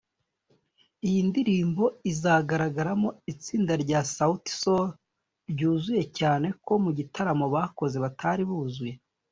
Iyi ndirimbo izagaragaramo itsinda rya Sauti Sol ryuzuye cyane ko mu gitaramo bakoze batari buzuye